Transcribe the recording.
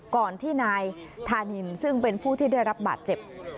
ก่อนที่นายธานินซึ่งเป็นผู้ที่ได้รับบาดเจ็บ